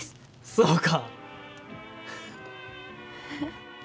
そうか。